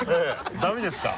ダメですか？